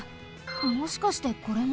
もしかしてこれも？